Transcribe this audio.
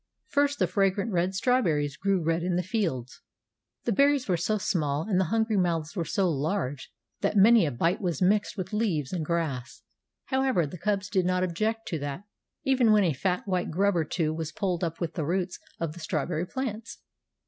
First the fragrant red strawberries grew red in the fields. The berries were so small, and the hungry mouths were so large, that many a bite was mixed with leaves and grass. However, the cubs did not object to that, even when a fat white grub or two was pulled up with the roots of the strawberry plants.